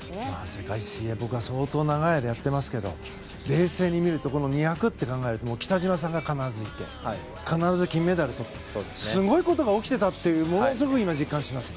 世界水泳僕は相当長い間やってますけど冷静に見ると２００ｍって考えると北島さんが必ずいて必ず金メダルをとってすごいことが起きていたということを実感しています。